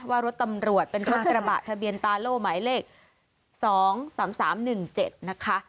ว่ารถตำรวจเป็นรถกระบะทะเบียนตาโล่หมายเลข๒๓๓๑๗นะคะ